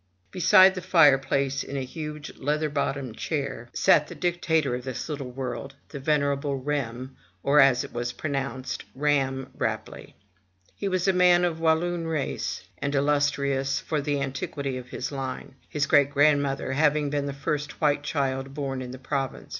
Beside the fireplace, in a huge leather bottomed armchair, sat III M Y BOOK HOUSE the dictator of this little world, the venerable Rem, or, as it was pronounced, Ramm Rapelye. He was a man of Walloon race, and illustrious for the antiquity of his line; his great grandmother having been the first white child born in the province.